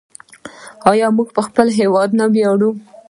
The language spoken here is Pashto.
آیا موږ په خپل هیواد نه ویاړو؟